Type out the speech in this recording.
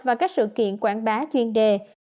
và các sự kiện quảng bá chuyên đề